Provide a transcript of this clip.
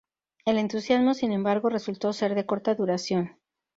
El entusiasmo, sin embargo, resultó ser de corta duración.